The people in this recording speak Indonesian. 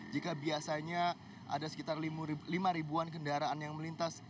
jika biasanya ada sekitar lima ribuan kendaraan yang melintas